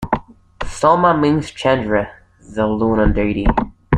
Soma means Chandra, the lunar deity.